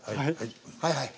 はいはい。